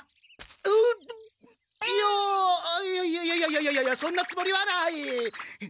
うういやいやいやいやいやそんなつもりはない！